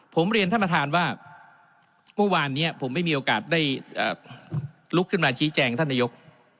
ผมเรียนท่านประธานว่าเมื่อวานนี้ผมไม่มีโอกาสได้ลุกขึ้นมาชี้แจงท่านนายก